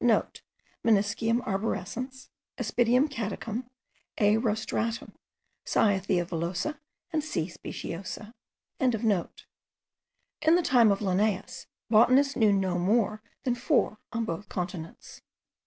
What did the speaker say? *(* Meniscium arborescens, Aspidium caducum, A. rostratum, Cyathea villosa, and C. speciosa.) In the time of Linnaeus, botanists knew no more than four on both continents.